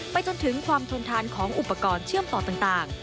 จนถึงความทนทานของอุปกรณ์เชื่อมต่อต่าง